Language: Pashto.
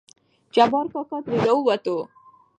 جبار کاکا ترې راووتو.